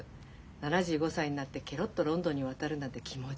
７５歳になってケロッとロンドンに渡るなんて気持ちいいですもん。